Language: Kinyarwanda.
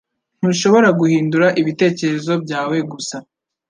Ntushobora guhindura ibitekerezo byawe gusa